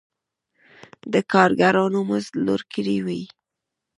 د کارګرانو مزد لوړ کړی وای.